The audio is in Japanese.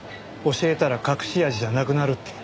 教えたら隠し味じゃなくなるって。